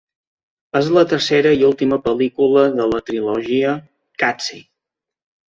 És la tercera i última pel·lícula de la trilogia Qatsi.